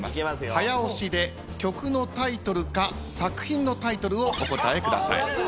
早押しで曲のタイトルか作品のタイトルをお答えください。